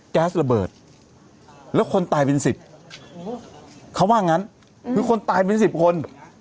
แก๊สระเบิดแล้วคนตายเป็นสิบเขาว่างั้นคือคนตายเป็นสิบคน